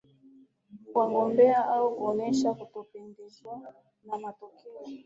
wagombea hao kuonesha kutopendezwa na matokeo